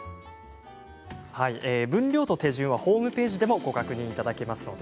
分量と手順はホームページでもご確認いただけます。